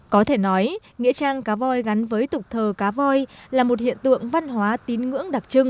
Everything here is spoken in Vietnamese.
có thể nói nghĩa trang cá voi gắn với tục thờ cá voi là một hiện tượng văn hóa tín ngưỡng đặc trưng